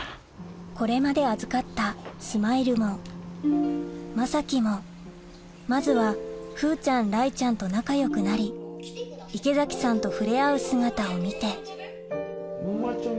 これまで預かったスマイルもまさきもまずは風ちゃん雷ちゃんと仲よくなり池崎さんと触れ合う姿を見てまちゃん。